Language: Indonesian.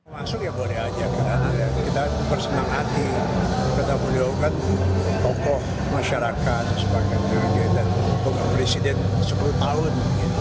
maksudnya boleh aja kita bersenang hati kita boleh lakukan tokoh masyarakat dan sebagai jokowi dan bukan presiden sepuluh tahun